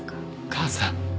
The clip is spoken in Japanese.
母さん。